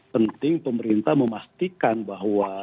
penting pemerintah memastikan bahwa